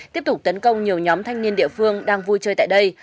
tấn công nhiều nhóm thanh niên địa phương đang vui chơi tại đây